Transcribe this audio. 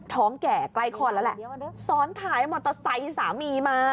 แก่ใกล้คลอดแล้วแหละซ้อนท้ายมอเตอร์ไซค์สามีมา